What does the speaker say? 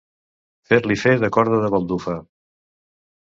Fer-li fer de corda de baldufa.